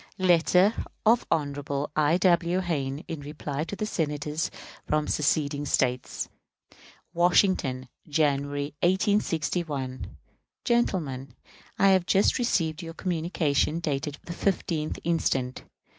Letter of Hon. I. W. Hayne in reply to Senators from seceding States. Washington, January, 1861. Gentlemen: I have just received your communication, dated the 15th instant.